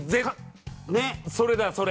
それだよそれ。